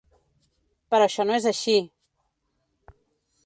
Però això no és així.